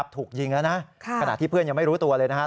ถูกยิงแล้วนะขณะที่เพื่อนยังไม่รู้ตัวเลยนะครับ